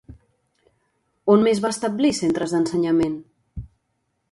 On més va establir centres d'ensenyament?